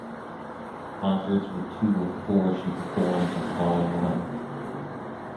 The concerts were two of four she performed at The Bottom Line.